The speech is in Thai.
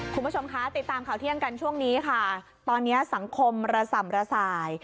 คุณผู้ชมคะติดตามข่าวเที่ยงกันช่วงนี้ค่ะตอนนี้สังคมระส่ำระสาย